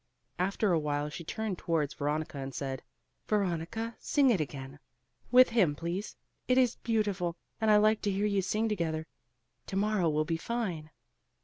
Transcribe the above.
'" After a while she turned towards Veronica and said, "Veronica, sing it again, with him please; it is beautiful, and I like to hear you sing together: 'To morrow will be fine.'"